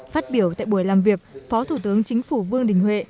phát biểu tại buổi làm việc phó thủ tướng chính phủ vương đình huệ